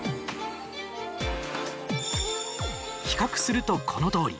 比較すると、このとおり。